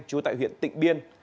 trú tại huyện tỉnh biên